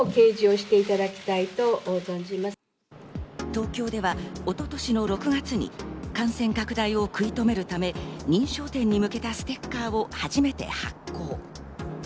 東京では一昨年の６月に感染拡大を食い止めるため、認証店に向けたステッカーを初めて発行。